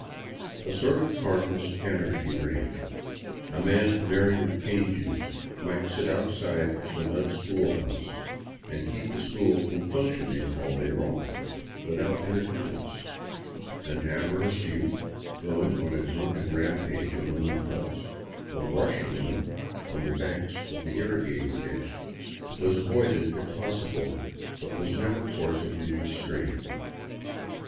A sort of harmless anarchy reigned. A man merry with cane juice might sit outside the mud school house and keep school from " functioning " all day long, without interference. An amorous youth, going on a drunken rampage among the huts or the washerwomen on the banks of the irrigating ditch, was avoided if possible, but was never forcibly restrained.